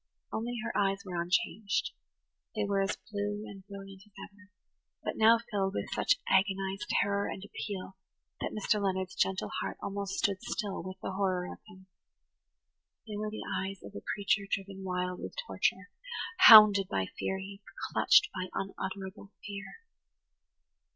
Only her eyes were unchanged; they were as blue and brilliant as ever, but now filled with such agonized terror and appeal that Mr. Leonard's gentle heart almost stood still with the horror of them. They were the eyes of a creature driven wild with torture, hounded by furies, clutched by unutterable fear.